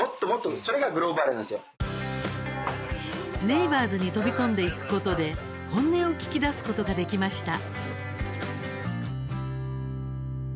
ネイバーズに飛び込んでいくことで本音を聞き出すことができました。